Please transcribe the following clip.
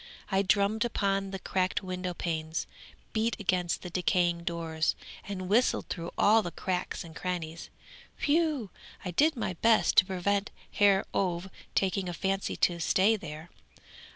I drummed upon the cracked window panes, beat against the decaying doors, and whistled through all the cracks and crannies, whew! I did my best to prevent Herr Ové taking a fancy to stay there.